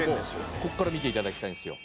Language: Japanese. ここから見て頂きたいんですよ。